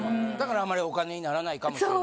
だからあんまりお金にならないかも。